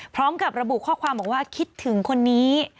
พร้อมกับระบุข้อความบอกว่าคิดถึงคนนี้